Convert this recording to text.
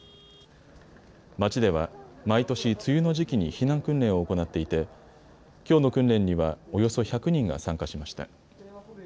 町では毎年、梅雨の時期に避難訓練を行っていてきょうの訓練にはおよそ１００人が参加しました。